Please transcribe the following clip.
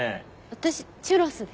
私チュロスで。